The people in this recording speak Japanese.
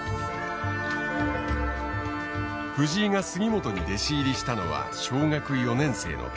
藤井が杉本に弟子入りしたのは小学４年生の時。